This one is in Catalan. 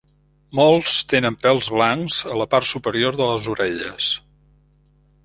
Molts tenen pèls blancs a la part superior de les orelles.